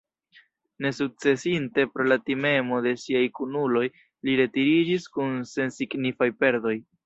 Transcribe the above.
Nesukcesinte pro la timemo de siaj kunuloj, li retiriĝis kun sensignifaj perdoj.